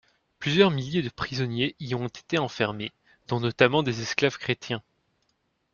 Plusieurs milliers de prisonniers y ont été enfermés, dont notamment des esclaves chrétiens.